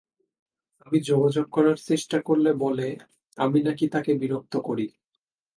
আমি যোগাযোগ করার চেষ্টা করলে বলে আমি নাকি তাকে বিরক্ত করি।